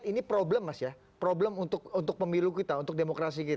ini problem mas ya problem untuk pemilu kita untuk demokrasi kita